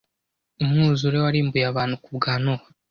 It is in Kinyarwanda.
umwuzure warimbuye abantu kubwa nowa